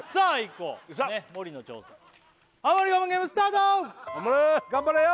こうモリの挑戦ハモリ我慢ゲームスタート頑張れ頑張れよ！